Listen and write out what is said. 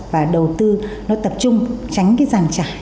và đầu tư nó tập trung tránh cái giàn trải